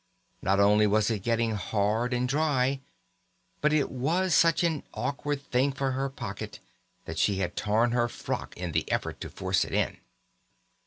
Not only was it getting hard and dry, but it was such an awkward thing for her pocket that she had torn her frock in the effort to force it in.